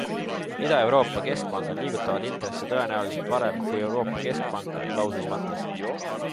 Ida-Euroopa keskpangad liigutavad intresse tõenäoliselt varem kui Euroopa Keskpank, lausus Matthes.